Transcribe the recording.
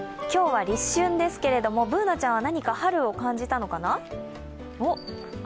今日は立春ですけれども、Ｂｏｏｎａちゃんは何か春を感じたのかな？